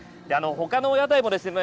他の屋台もですね